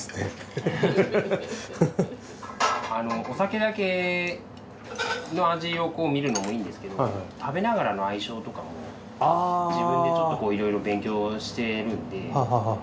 お酒だけの味をみるのもいいんですけど食べながらの相性とかも自分でいろいろ勉強してるんで。